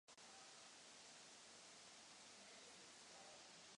Během této doby působil i jako novinář.